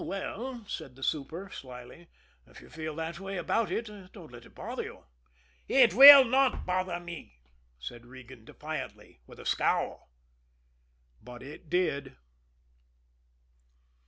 "Oh, well," said the super slyly, "if you feel that way about it, don't let it bother you." "It will not bother me!" said Regan defiantly, with a scowl. But it did.